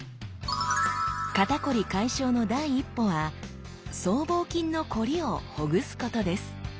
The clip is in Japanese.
肩こり解消の第一歩は僧帽筋のこりをほぐすことです。